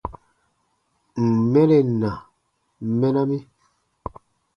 Ǹ n mɛren na, mɛna mi.